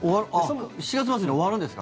７月末に終わるんですか？